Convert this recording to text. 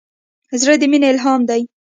زړه د مینې الهام دی.